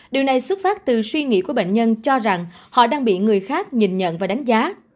điều này xuất phát từ suy nghĩ của bệnh nhân cho rằng họ đang bị người khác nhìn nhận và đánh giá